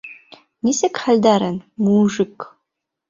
— Нисек хәлдәрең, му-ужик?